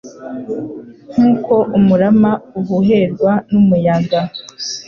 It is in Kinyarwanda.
nk’uko umurama uhuherwa n’umuyaga